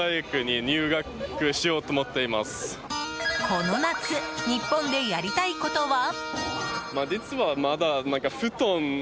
この夏日本でやりたいことは。